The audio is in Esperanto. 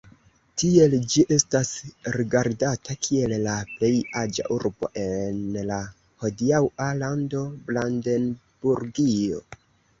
Tiel ĝi estas rigardata kiel la plej aĝa urbo en la hodiaŭa lando Brandenburgio.